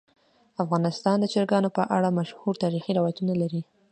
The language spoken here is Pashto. افغانستان د چرګانو په اړه مشهور تاریخی روایتونه لري.